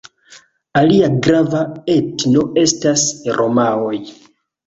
Alia grava etno estas romaoj.